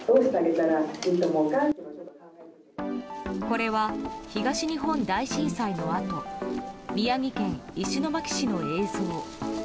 これは東日本大震災のあと宮城県石巻市の映像。